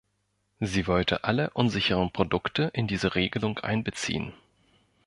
Sie wollte alle unsicheren Produkte in diese Regelung einbeziehen.